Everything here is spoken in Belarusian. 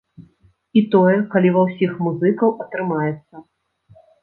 І тое калі ва ўсіх музыкаў атрымаецца.